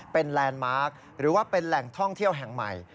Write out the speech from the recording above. เป็นแลนด์มาร์คหรือว่าเป็นแหล่งท่องเที่ยวแห่งใหม่